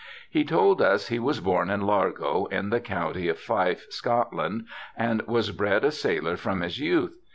' He told us he was born in Largo, in the county of Fife, Scotland, and was bred a sailor from his youth.